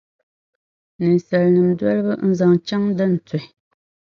Ninsalinima dolibu n-zaŋ chaŋ din tuhi.